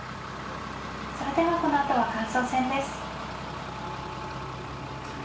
それではこのあとは感想戦です。